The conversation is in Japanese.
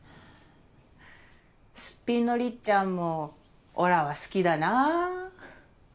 すっぴんのりっちゃんもおらは好きだなぁ。